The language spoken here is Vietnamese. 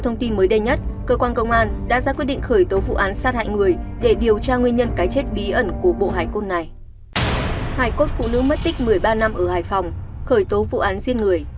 hải cốt phụ nữ mất tích một mươi ba năm ở hải phòng khởi tố vụ án riêng người